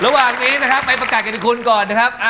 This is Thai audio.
ระหว่างนี้ไปประกัดกันกันก่อนนะครับ